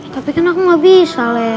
tapi kan aku gak bisa le